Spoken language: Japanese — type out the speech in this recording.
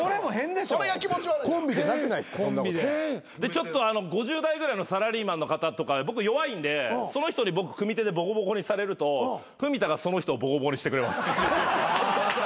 ちょっと５０代ぐらいのサラリーマンの方とか僕弱いんでその人に僕組手でボコボコにされると文田がその人をボコボコにしてくれます。